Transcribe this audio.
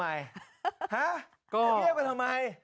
เงียบกันทำไม